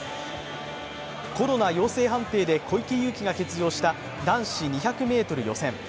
コロナ陽性判定で小池祐貴が欠場した男子２００ｍ予選。